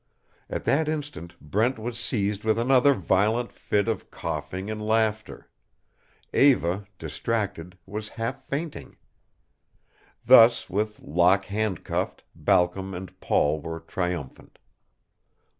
At that instant Brent was seized with another violent fit of coughing and laughter. Eva, distracted, was half fainting. Thus, with Locke handcuffed, Balcom and Paul were triumphant.